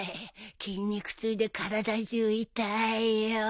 筋肉痛で体中痛いよ。